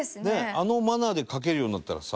あの「まな」で書けるようになったらさ。